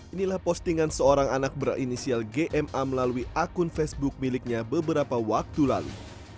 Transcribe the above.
inilah postingan seorang anak berinisial gma melalui akun facebook miliknya beberapa waktu lalu